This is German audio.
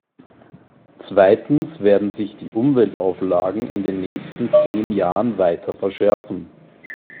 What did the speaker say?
Zweitens werden sich die Umweltauflagen in den nächsten zehn Jahren weiter verschärfen.